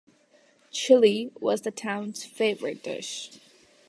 Chili was the town's favorite dish.